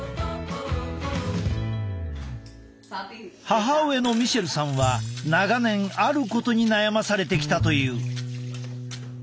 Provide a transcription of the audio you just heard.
母親のミシェルさんは長年あることに悩まされてきたという。